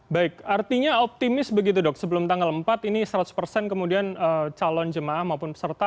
baik artinya optimis begitu dok sebelum tanggal empat ini seratus persen kemudian calon jemaah maupun peserta